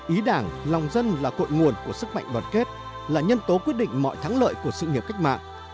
ý đảng lòng dân là cội nguồn của sức mạnh đoàn kết là nhân tố quyết định mọi thắng lợi của sự nghiệp cách mạng